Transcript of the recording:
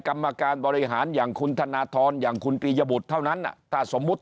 กรรมการบริหารอย่างคุณธนทรอย่างคุณปียบุตรเท่านั้นถ้าสมมุติ